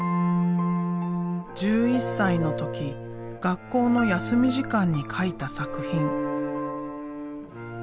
１１歳の時学校の休み時間に描いた作品。